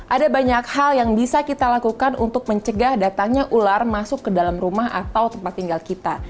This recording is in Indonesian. ada banyak hal yang bisa kita lakukan untuk mencegah datangnya ular masuk ke dalam rumah atau tempat tinggal kita